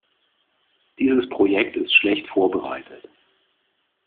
Dieses Projekt ist schlecht vorbereitet.